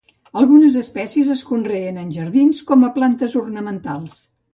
Algunes espècies es conreen en jardins com a plantes ornamentals.